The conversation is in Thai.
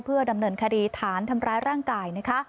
เพื่อดำเนินคดีฐานทำร้ายร่างกายนะคะ